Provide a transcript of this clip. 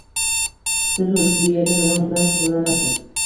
-Siz o’zi bu yerda nima bilan shug’ullanasiz?